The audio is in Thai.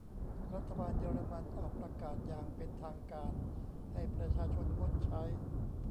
รัฐบาลเยอรมันออกประกาศอย่างเป็นทางการให้ประชาชนงดใช้